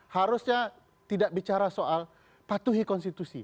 harusnya tidak bicara soal patuhi konstitusi